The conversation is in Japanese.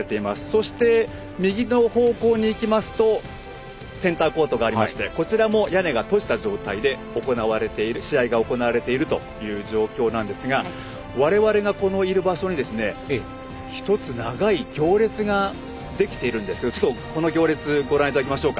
そして、右の方向に行きますとセンターコートがありましてこちらも屋根が閉じた状態で試合が行われているという状況ですが今、我々がいる場所に１つ、長い行列ができているんですがこの行列をご覧いただきましょう。